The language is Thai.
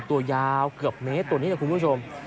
ตัวยาวเกือบเมตรตัวนี้นะคุณผู้ชม